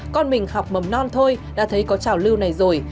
con mình học mầm non thôi đã thấy có trào lưu này rồi